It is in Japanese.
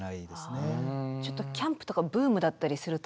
ちょっとキャンプとかブームだったりすると。